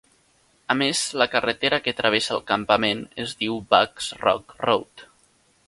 A més, la carretera que travessa el campament es diu Buck's Rock Road.